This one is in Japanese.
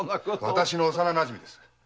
私の幼なじみです。